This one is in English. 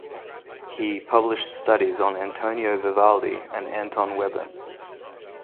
He published studies on Antonio Vivaldi and Anton Webern.